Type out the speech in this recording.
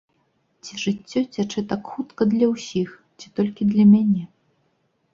Ці жыццё цячэ так хутка для ўсіх, ці толькі для мяне?